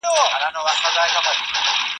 زه پرون موسيقي واورېده؟!